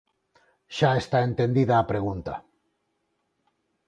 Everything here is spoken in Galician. Xa está entendida a pregunta.